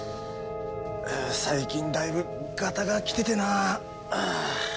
最近だいぶガタがきててな。